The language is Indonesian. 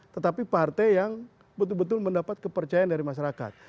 tetapi partai yang betul betul mendapat kepercayaan dari masyarakat